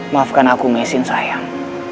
maafkan aku mesin sayang